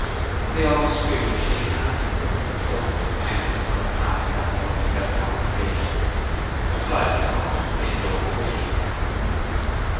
They almost feared to shake hands in public, so much depended upon their passing that morning without molestation. A fly was called and they drove away.